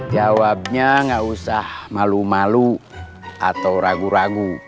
jawabnya nggak usah malu malu atau ragu ragu